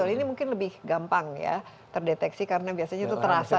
ini mungkin lebih gampang ya terdeteksi karena biasanya itu terasa